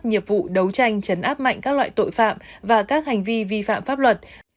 nghiệp vụ đấu tranh chấn áp mạnh các loại tội phạm và các hành vi vi phạm pháp luật